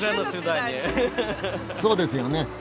そうですよね。